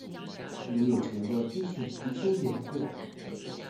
如有結論亦請提出研究